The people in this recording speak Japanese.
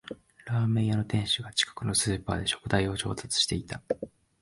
ラーメン屋の店主が近くのスーパーで食材を調達してた